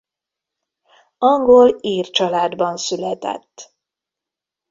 Angol–ír családban született.